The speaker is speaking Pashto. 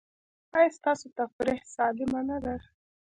ایا ستاسو تفریح سالمه نه ده؟